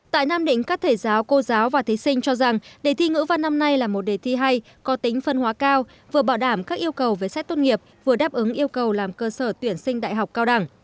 tại nam định các thầy giáo cô giáo và thí sinh cho rằng đề thi ngữ văn năm nay là một đề thi hay có tính phân hóa cao vừa bảo đảm các yêu cầu về xét tốt nghiệp vừa đáp ứng yêu cầu làm cơ sở tuyển sinh đại học cao đẳng